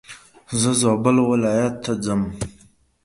زه زابل ولايت ته ځم.